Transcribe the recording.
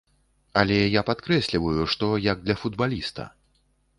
Але я падкрэсліваю, што як для футбаліста.